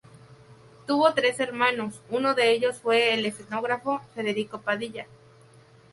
Tuvo tres hermanos, uno de ellos fue el escenógrafo Federico Padilla.